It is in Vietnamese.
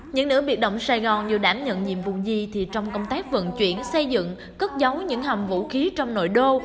những nửa biệt động sài gòn dù đảm nhận nhiệm vụ gì thì trong công tác vận chuyển xây dựng cất giấu những hầm vũ khí trong nội đô